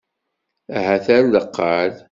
Ahat ar deqqal.